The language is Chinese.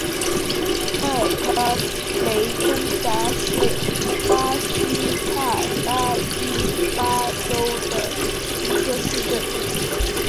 塞拉雷东达是巴西帕拉伊巴州的一个市镇。